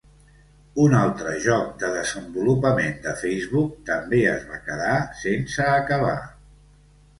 Un altre joc de desenvolupament de Facebook també es va quedar sense acabar.